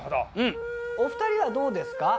お２人はどうですか？